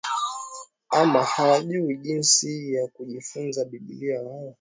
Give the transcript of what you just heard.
ama hawajui jinsi ya kujifunza Biblia wao